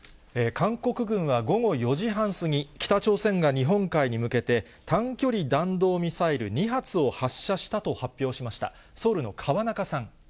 韓国軍は午後４時半過ぎ、北朝鮮が日本海に向けて、短距離弾道ミサイル２発を発射したと発表しました。